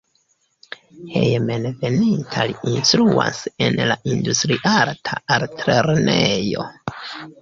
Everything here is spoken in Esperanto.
Hejmenveninta li instruas en la Industriarta Altlernejo.